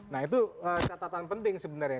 nah itu catatan penting sebenarnya